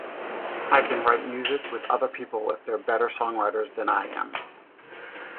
I can write music with other people if they're better songwriters than I am.